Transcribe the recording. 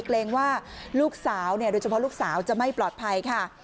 เกรงว่าลูกสาวโดยเฉพาะลูกสาวจะไม่ปลอดภัยค่ะ